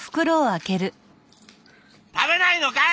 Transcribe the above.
食べないのかい！